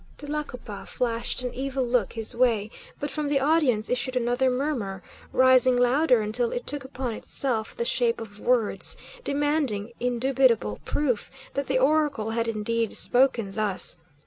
Tlacopa flashed an evil look his way, but from the audience issued another murmur, rising louder until it took upon itself the shape of words, demanding indubitable proof that the oracle had indeed spoken thus.